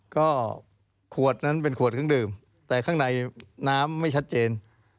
ก็ขวดนั้นเป็นขวดเครื่องดื่มแต่ข้างในน้ำไม่ชัดเจน